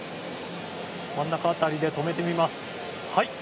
真ん中辺りで止めてみます。